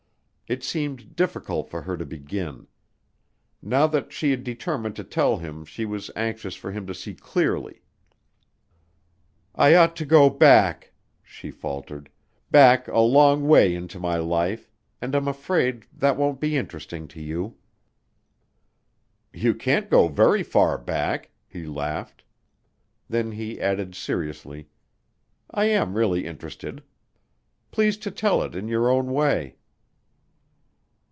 It seemed difficult for her to begin. Now that she had determined to tell him she was anxious for him to see clearly. "I ought to go back," she faltered; "back a long way into my life, and I'm afraid that won't be interesting to you." "You can't go very far back," he laughed. Then he added seriously, "I am really interested. Please to tell it in your own way."